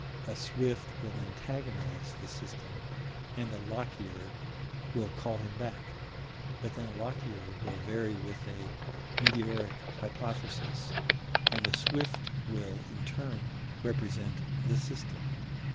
A Swift will antagonize "the System," and a Lockyer will call him back; but, then, a Lockyer will vary with a "meteoric hypothesis," and a Swift will, in turn, represent "the System."